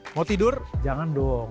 mau tidur jangan dong